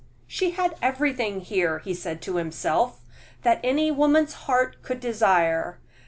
"She had everything here," he said to himself, "that any woman's heart could desire.